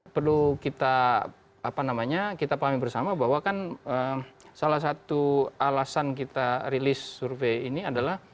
perlu kita pahami bersama bahwa kan salah satu alasan kita rilis survei ini adalah